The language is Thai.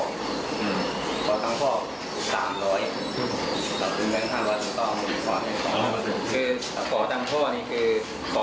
คอยต่อไหม